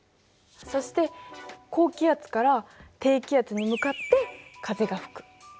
そして高気圧から低気圧に向かって風が吹く。